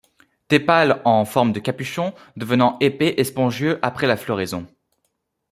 Tépales en forme de capuchon, devenant épais et spongieux après la floraison.